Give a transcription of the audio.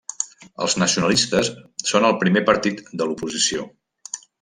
Els nacionalistes són el primer partit de l'oposició.